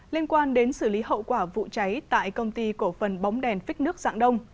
liên quan đến xử lý hậu quả vụ cháy tại công ty cổ phần bóng đèn phích nước dạng đông